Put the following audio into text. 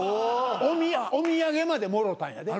お土産までもろうたんやで。